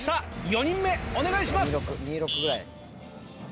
４人目お願いします。